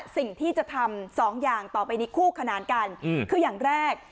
สิ่งที่จะทำสองอย่างต่อไปนี้คู่ขนานกันคืออย่างแรก